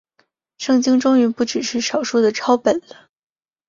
圣经终于不只是少数的抄本了。